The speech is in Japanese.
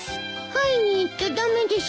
会いに行っちゃ駄目ですか？